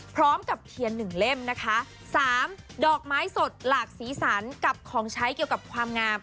พร้อมกับเทียนหนึ่งเล่มนะคะสามดอกไม้สดหลากสีสันกับของใช้เกี่ยวกับความงาม